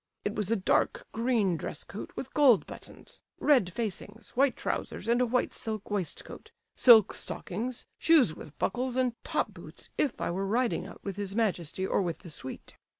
It was a dark green dress coat with gold buttons—red facings, white trousers, and a white silk waistcoat—silk stockings, shoes with buckles, and top boots if I were riding out with his majesty or with the suite.